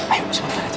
ayo sebentar aja